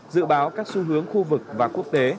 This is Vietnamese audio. dự báo các xu hướng khu vực và quốc tế